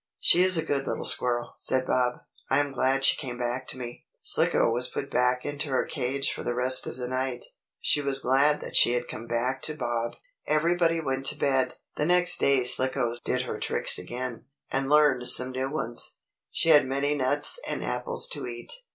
"She is a good little squirrel," said Bob. "I am glad she came back to me." Slicko was put back into her cage for the rest of the night. She was glad she had come back to Bob. Everybody went to bed. The next day Slicko did her tricks again, and learned some new ones. She had many nuts and apples to eat.